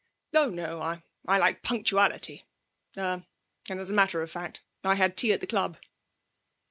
'Oh no. I like punctuality, er and, as a matter of fact, I had tea at the club.'